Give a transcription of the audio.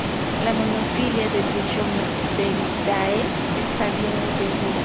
La monofilia de Trichomycteridae está bien entendida.